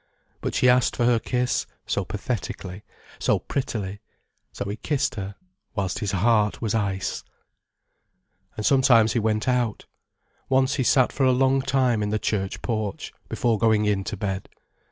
But she asked for her kiss, so pathetically, so prettily. So he kissed her, whilst his heart was ice. And sometimes he went out. Once he sat for a long time in the church porch, before going in to bed.